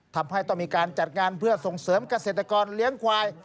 ทำให้ต้องมีการจัดงานเพื่อส่งเสริมเกษตรกรเลี้ยงควาย